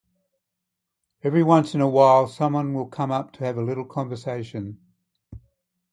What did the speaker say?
Every once in a while someone will come up to have a little conversation.